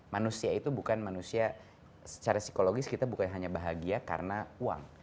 manusia itu bukan manusia secara psikologis kita bukan hanya bahagia karena uang